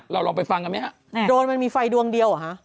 ลองไปฟังกันไหมฮะโดนมันมีไฟดวงเดียวเหรอฮะ